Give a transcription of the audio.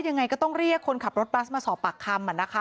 ยังไงก็ต้องเรียกคนขับรถบัสมาสอบปากคำ